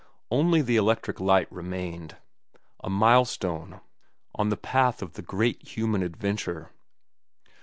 Only the electric light remained, a milestone on the path of the great human adventure.